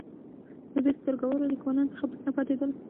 د دې سترګور لیکوالانو څخه پټ نه پاتېدل.